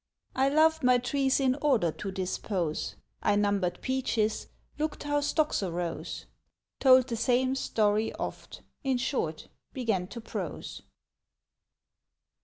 I loved my trees in order to dispose; I numbered peaches, looked how stocks arose; Told the same story oft, in short, began to prose.